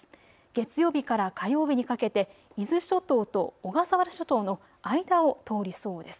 月曜日から火曜日にかけて伊豆諸島と小笠原諸島の間を通りそうです。